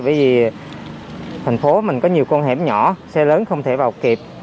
bởi vì thành phố mình có nhiều con hẻm nhỏ xe lớn không thể vào kịp